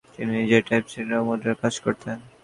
তিনি নিজেই টাইপসেটিং ও মুদ্রণের কাজ করতেন।